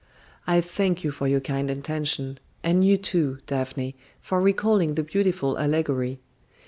I thank you for your kind intention, and you, too, Daphne, for recalling the beautiful allegory.